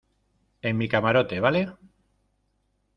en mi camarote. vale .